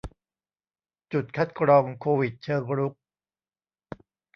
จุดคัดกรองโควิดเชิงรุก